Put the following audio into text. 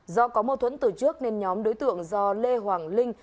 do có mâu thuẫn từ trước nên nhóm đối tượng do lê hoàng linh